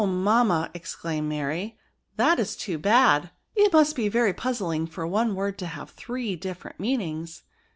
mamma," exclaimed Mary, '* that is too bad. It must be very puzzling, for one word to have three different meanings."